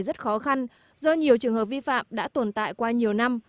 rất khó khăn do nhiều trường hợp vi phạm đã tồn tại qua nhiều năm